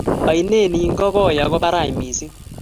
ainet nin ko koi ak ko barai mising